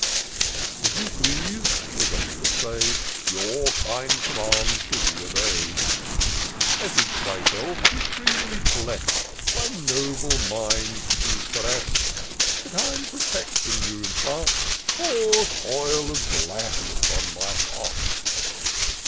" Just as you please," the Doctor said ;" Your kind commands shall be obey'd : I think myself supremely bless'd. By noble minds to be caress'd : IN SEARCH OF THE PICTURESQUE. 235 The kind protection you impart Pours oil of gladness on my heart."